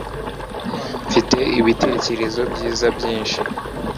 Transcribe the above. Mfite ibitekerezo byiza byinshi